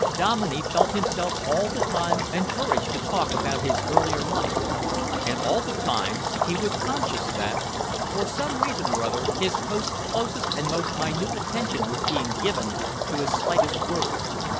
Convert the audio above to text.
Dominey felt himself all the time encouraged to talk about his earlier life, and all the time he was conscious that for some reason or other his host's closest and most minute attention was being given to his slightest word.